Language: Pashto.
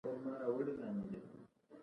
د باد نرم چپاو د قدرت مهرباني ښيي.